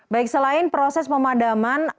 baik selain proses pemadaman